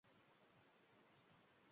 Oti jiyronga moyil, yoli qirqilgan.